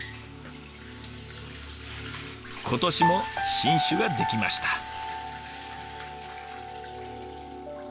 今年も新酒ができました。